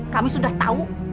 kami sudah tahu